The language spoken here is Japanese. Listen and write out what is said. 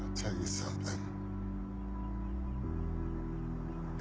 そうだよ。